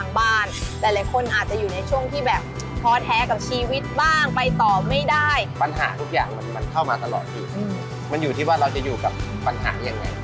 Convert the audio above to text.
เงินล้านหนึ่งจากฉันนะครับจากคนที่แบบศูนย์แบบ